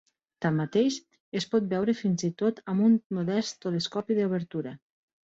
Tanmateix, es pot veure fins i tot amb un modest telescopi d'obertura.